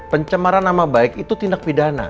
pencemaran nama baik itu tindak pidana